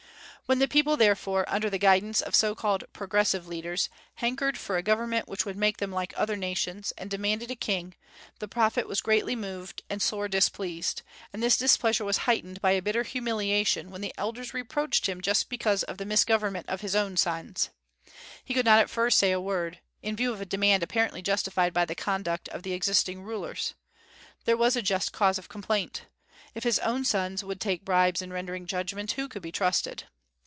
When the people, therefore, under the guidance of so called "progressive leaders," hankered for a government which would make them like other nations, and demanded a king, the prophet was greatly moved and sore displeased; and this displeasure was heightened by a bitter humiliation when the elders reproached him because of the misgovernment of his own sons. He could not at first say a word, in view of a demand apparently justified by the conduct of the existing rulers. There was a just cause of complaint. If his own sons would take bribes in rendering judgment, who could be trusted?